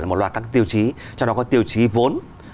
là một loạt các tiêu chí cho nó có tiêu chí vốn